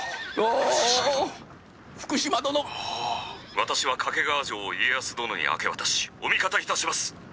「私は掛川城を家康殿に明け渡しお味方いたします」。